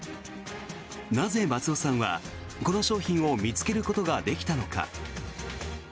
なぜ松尾さんは、この商品を見つけることができたのか。